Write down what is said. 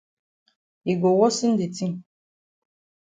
Yi go worsen de tin.